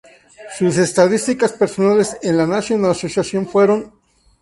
Sus estadísticas personales en la National Association fueron.